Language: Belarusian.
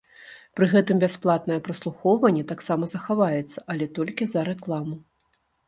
Пры гэтым бясплатнае праслухоўванне таксама захаваецца, але толькі за рэкламу.